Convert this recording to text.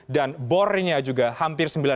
dan bornya juga hampir sembilan puluh